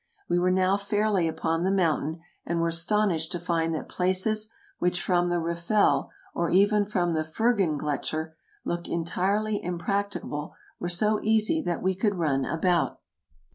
We were now fairly upon the mountain, and were astonished to find that places which from the Riffel, or even from the Furggengletscher, looked entirely impracti cable, were so easy that we could run about.